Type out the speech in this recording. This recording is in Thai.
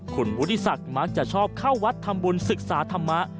คุณวุฒิศักดิ์มักจะชอบเข้าวัดทำบุญศึกษาธรรมะ